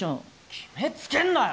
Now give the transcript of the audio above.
決めつけんなよ！